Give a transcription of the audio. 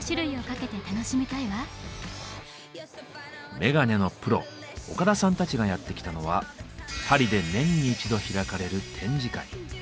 メガネのプロ岡田さんたちがやってきたのはパリで年に一度開かれる展示会。